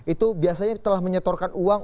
itu biasanya telah menyetorkan uang